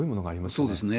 そうですね。